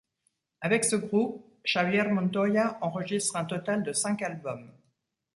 Avec ce groupe, Xabier Montoia enregistre un total de cinq albums.